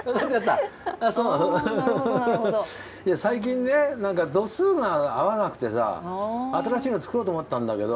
いや最近ね何か度数が合わなくてさ新しいの作ろうと思ったんだけど